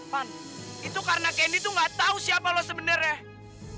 pan itu karena kendy tuh gak tau siapa lu sebenernya